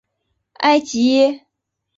埃吉耶。